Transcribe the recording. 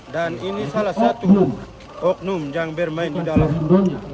dan ini salah satu oknum yang bermain di dalam